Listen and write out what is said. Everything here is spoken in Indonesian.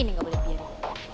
ini gak boleh pilih